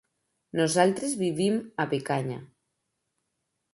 Nosaltres vivim a Picanya.